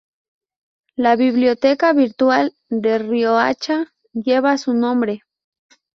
La biblioteca virtual de Riohacha lleva su nombre.